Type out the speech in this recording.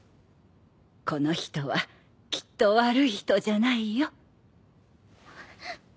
この人はきっと悪い人じゃないよ。